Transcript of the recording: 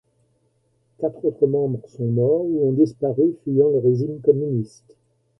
Quatre autres membres sont morts ou ont disparu, fuyant le régime communiste.